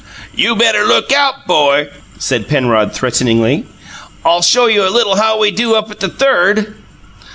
"You better look out, 'bo," said Penrod, threateningly. "I'll show you a little how we do up at the Third."